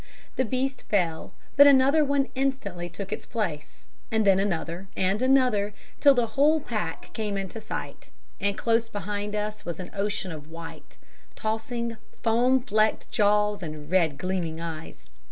The beast fell, but another instantly took its place, and then another and another, till the whole pack came into sight, and close behind us was an ocean of white, tossing, foam flecked jaws and red gleaming eyes.